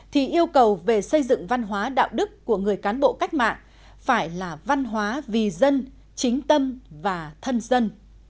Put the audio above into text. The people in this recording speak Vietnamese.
thì yêu cầu về xây dựng văn hóa đạo đức của người cán bộ cách mạng phải là văn hóa vì dân chính tâm và thân dân